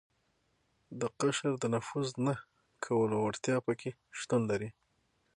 د قشر د نفوذ نه کولو وړتیا په کې شتون لري.